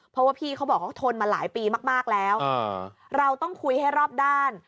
เพราะว่าพี่เขาบอกเขาทนมาหลายปีมากแล้วเราต้องคุยให้รอบด้าน